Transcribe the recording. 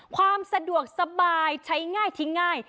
ความสะดวกสบายใช้ง่ายทิ้งง่าย